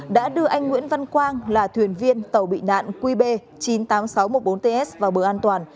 đã đưa anh nguyễn văn quang là thuyền viên tàu bị nạn qb chín mươi tám nghìn sáu trăm một mươi bốn ts vào bờ an toàn